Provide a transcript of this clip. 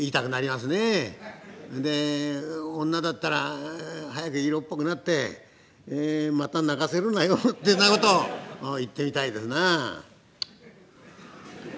で女だったら「早く色っぽくなってまた泣かせるなよ」ってなことを言ってみたいですなあ。